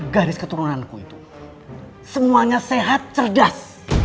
garis keturunanku itu semuanya sehat cerdas